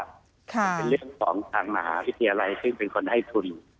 มันเป็นเรื่องของทางมหาวิทยาลัยซึ่งเป็นคนให้ทุน